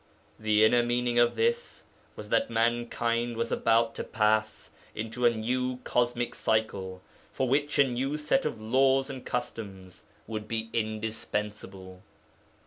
The inner meaning of this was that mankind was about to pass into a new cosmic cycle, for which a new set of laws and customs would be indispensable.